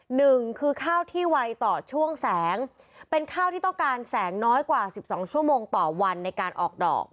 หนึ่งคือข้าวที่ไวต่อช่วงแสงเป็นข้าวที่ต้องการแสงน้อยกว่าสิบสองชั่วโมงต่อวันในการออกดอก